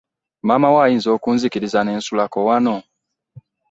Maamawo ayinza okunzikiriza ne nsulako wano?